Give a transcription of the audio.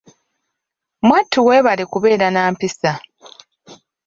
Mwattu weebale kubeera na mpisa.